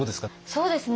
そうですね